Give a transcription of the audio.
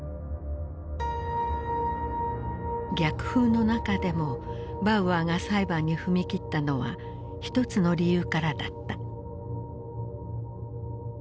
逆風の中でもバウアーが裁判に踏み切ったのは一つの理由からだった。